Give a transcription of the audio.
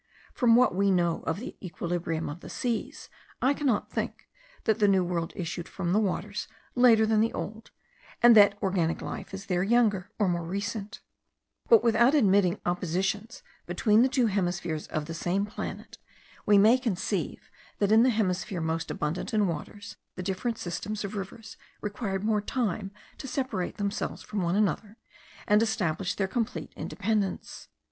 From what we know of the equilibrium of the seas, I cannot think that the New World issued from the waters later than the Old, and that organic life is there younger, or more recent; but without admitting oppositions between the two hemispheres of the same planet, we may conceive that in the hemisphere most abundant in waters the different systems of rivers required more time to separate themselves from one another, and establish their complete independence.